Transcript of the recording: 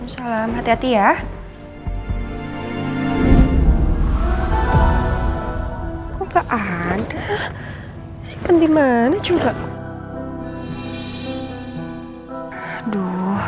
sampai jumpa lagi